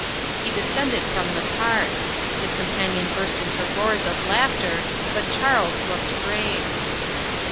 He descended from the cart. His companion burst into roars of laughter; but Charles looked grave.